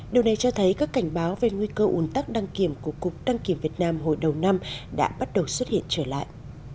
điều này cho thấy các cảnh báo về nguy cơ ùn tắc đăng kiểm của cục đăng kiểm việt nam hồi đầu năm đã bắt đầu xuất hiện trở lại